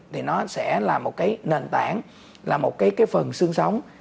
thì nó sẽ là một cái nền tảng là một cái phần sương sóng